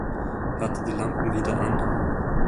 Hat er die Lampen wieder an?